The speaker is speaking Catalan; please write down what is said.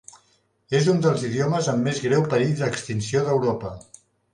És un dels idiomes en més greu perill d'extinció d'Europa.